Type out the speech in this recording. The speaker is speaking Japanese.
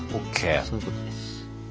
そういうことです。